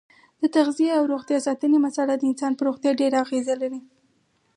د تغذیې او روغتیا ساتنې مساله د انسان په روغتیا ډېره اغیزه لري.